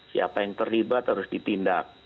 siapa yang terlibat harus ditindak